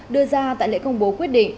đưa ra tại lễ công bố quyết định